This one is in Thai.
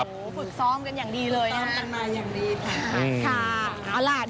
ผุดซ้อมกันอย่างดีเลยนะผุดซ้อมกันมาอย่างดีค่ะ